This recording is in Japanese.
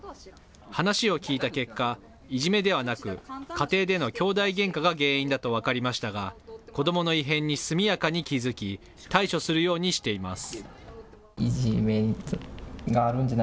話を聞いた結果、いじめではなく、家庭での兄弟げんかが原因だと分かりましたが、子どもの異変に速やかに気付き、対処するようにしています。